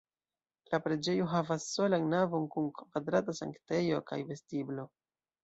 La preĝejo havas solan navon kun kvadrata sanktejo kaj vestiblo.